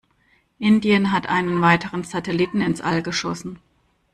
Indien hat einen weiteren Satelliten ins All geschossen.